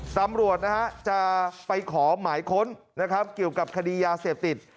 สำรวจจะไปขอหมายค้นเกี่ยวกับคดียาเสพติด